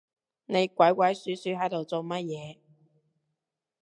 你鬼鬼鼠鼠係度做乜嘢